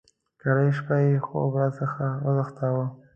کرۍ شپه یې خوب را څخه وتښتاوه.